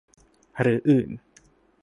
หรืออื่น